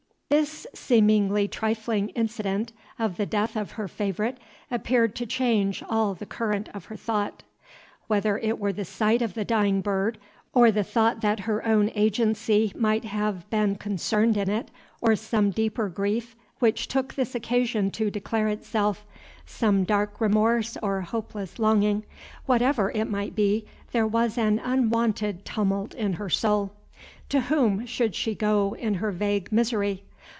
This seemingly trifling incident of the death of her favorite appeared to change all the current of her thought. Whether it were the sight of the dying bird, or the thought that her own agency might have beep concerned in it, or some deeper grief, which took this occasion to declare itself, some dark remorse or hopeless longing, whatever it might be, there was an unwonted tumult in her soul. To whom should she go in her vague misery?